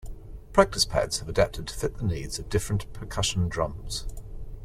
Practice pads have adapted to fit the needs of different percussion drums.